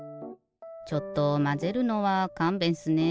ちょっとまぜるのはかんべんっすね。